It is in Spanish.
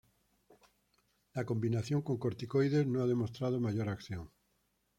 La combinación con corticoides no ha demostrado mayor acción.